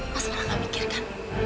mas malah gak mikirkan